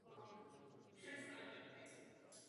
Role pohlavní odlišnosti v mýtu není zřejmá.